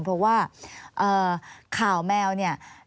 เพราะว่าข่าวแมวเนี่ย